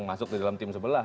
masuk di dalam tim sebelah